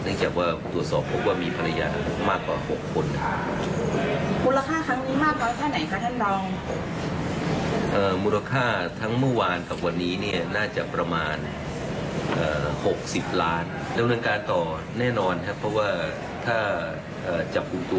เนื่องจากว่าผมตรวจสอบว่ามีภรรยามากกว่าหกคน